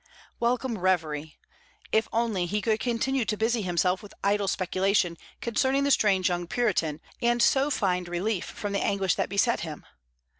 Welcome reverie! If only he could continue to busy himself with idle speculation concerning the strange young Puritan, and so find relief from the anguish that beset him.